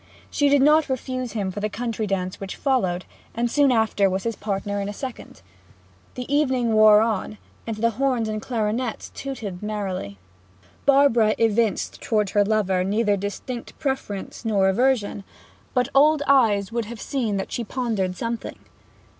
She did not refuse him for the country dance which followed, and soon after was his partner in a second. The evening wore on, and the horns and clarionets tootled merrily. Barbara evinced towards her lover neither distinct preference nor aversion; but old eyes would have seen that she pondered something.